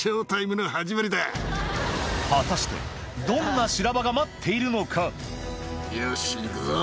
果たしてどんな修羅場が待っているのか？